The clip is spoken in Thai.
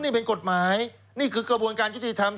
นี่เป็นกฎหมายนี่คือกระบวนการยุติธรรม